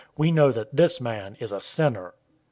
We know that this man is a sinner."